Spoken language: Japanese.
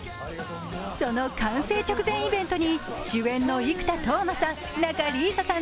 その完成直前イベントに主演の生田斗真さん